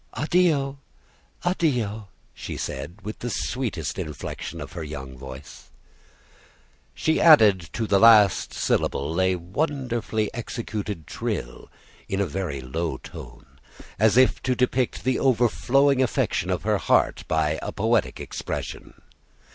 "Addio, addio!" she said, with the sweetest inflection of her young voice. She added to the last syllable a wonderfully executed trill, in a very low tone, as if to depict the overflowing affection of her heart by a poetic expression.